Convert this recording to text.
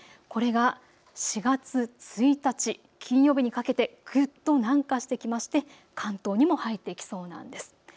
これは４月１日、金曜日にかけてぐっと南下してきまして関東にも入ってきそうなんです。